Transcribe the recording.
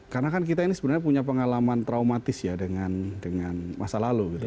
karena kan kita ini sebenarnya punya pengalaman traumatis ya dengan masa lalu gitu